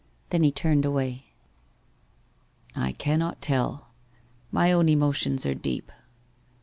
Then he turned away. ' I cannot tell. ... My own emotions are deep.